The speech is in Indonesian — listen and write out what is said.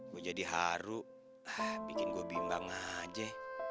gue jadi haru bikin gue bimbang aja